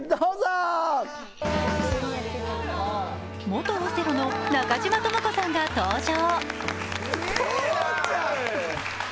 元オセロの中島知子さんが登場。